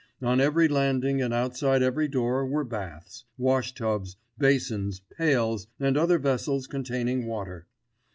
On every landing and outside every door were baths, wash tubs, basins, pails and other vessels containing water.